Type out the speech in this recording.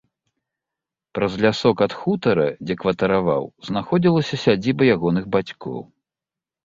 Праз лясок ад хутара, дзе кватараваў, знаходзілася сядзіба ягоных бацькоў.